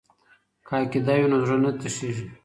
که عقیده وي نو زړه نه تشیږي.